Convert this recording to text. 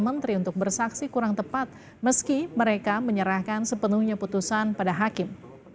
menteri untuk bersaksi kurang tepat meski mereka menyerahkan sepenuhnya putusan pada hakim